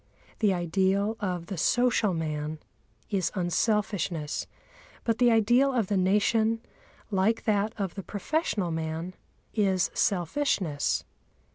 The ideal of the social man is unselfishness, but the ideal of the Nation, like that of the professional man, is selfishness.